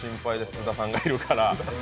津田さんがいるから。